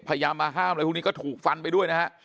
พยายามมาห้ามอะไรพวกนี้ก็ถูกฟันไปด้วยนะฮะ